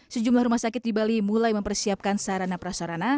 sejumlah rumah sakit di bali mulai mempersiapkan sarana prasarana